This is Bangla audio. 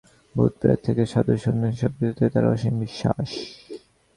ভূত-প্রেত থেকে সাধু-সন্ন্যাসী সবকিছুতেই তার অসীম বিশ্বাস।